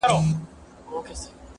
له هغې د مځكي مخ ورته سور اور وو.!